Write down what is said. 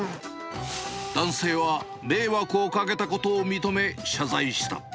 男性は迷惑をかけたことを認め、謝罪した。